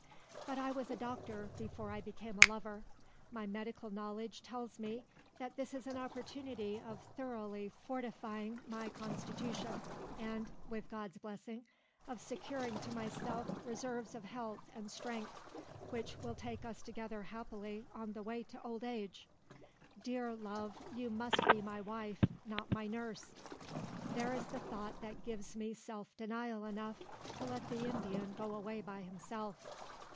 "But I was a doctor, before I became a lover. My medical knowledge tells me that this is an opportunity of thoroughly fortifying my constitution, and (with God's blessing) of securing to myself reserves of health and strength which will take us together happily on the way to old age. Dear love, you must be my wife not my nurse! There is the thought that gives me self denial enough to let the Indian go away by himself."